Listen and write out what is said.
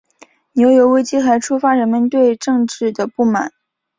牛油危机还触发人们对政治的不满。